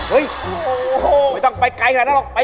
ไปที่ไหนก็ได้